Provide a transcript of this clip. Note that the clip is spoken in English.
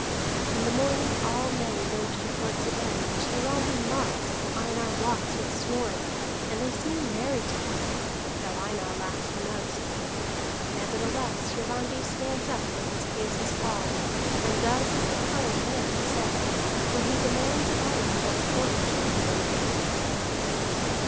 In the morning all men go to the courts again; and Hiarandi marks how Einar walks with Snorri, and they seem merry together, though Einar laughs the most. Nevertheless, Hiarandi stands up when his case is called, and does as the cowled man had said, for he demands of Einar what forfeiture he will name.